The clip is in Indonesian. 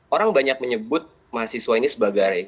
orang banyak menyebut mahasiswa ini sebagai